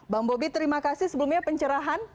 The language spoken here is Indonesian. bang bobi terima kasih sebelumnya pencerahan